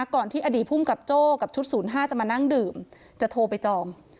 ก่อนที่อดีตภูมิกับโจ้กับชุด๐๕จะมานั่งดื่มจะโทรไปจอง